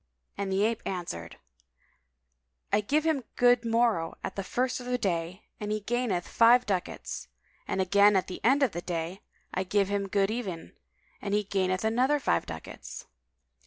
and the ape answered, "I give him good morrow at the first of the day, and he gaineth five ducats; and again at the end of the day, I give him good even and he gaineth other five ducats."